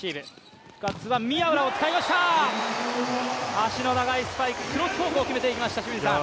足の長いスパイク、クロス方向を決めていきました、清水さん。